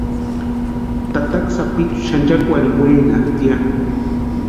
Tataka sapichu xanchakwarhini wenatʼi ya.